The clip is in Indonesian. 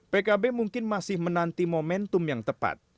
pkb mungkin masih menanti momentum yang tepat